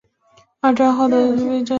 二战后改为云林县虎尾镇。